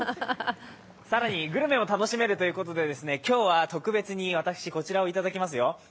更にグルメも楽しめるということで、今日は特別に私、こちらをいただきますよ。